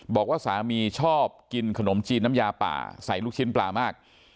บอกว่าสามีชอบกินขนมจีนน้ำยาป่าใส่ลูกชิ้นปลามาก